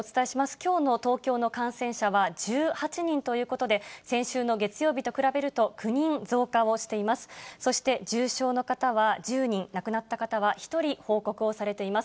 きょうの東京の感染者は１８人ということで、先週の月曜日と比べると、９人増加をしています。